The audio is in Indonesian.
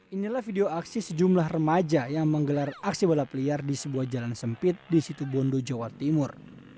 inilah video aksi sejumlah remaja yang menggelar aksi balap liar di sebuah jalan sempit di situ bondo jawa timur